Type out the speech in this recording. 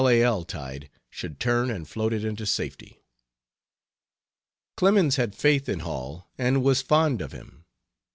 A. L. tide should turn and float it into safety. Clemens had faith in Hall and was fond of him.